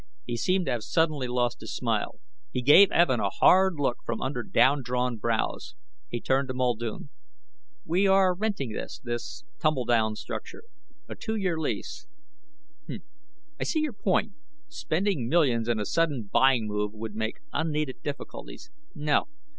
He seemed to have suddenly lost his smile. He gave Evin a hard look from under down drawn brows. He turned to Muldoon. "We are renting this, this tumbledown structure. A two year lease. H'mm! I see your point. Spending millions in a sudden buying move would make unneeded difficulties. No!